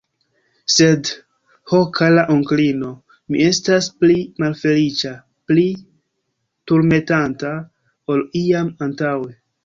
Sed, ho, kara onklino, mi estas pli malfeliĉa, pli turmentata, ol iam antaŭe.